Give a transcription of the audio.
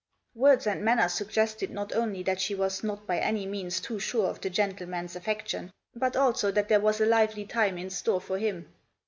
Words and manner suggested not only that she was not by any means too sure of the gentleman's affec tion, but, also, that there was a lively time in store for him.